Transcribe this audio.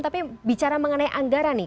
tapi bicara mengenai anggaran nih